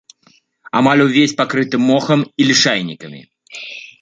Амаль увесь пакрыты мохам і лішайнікамі.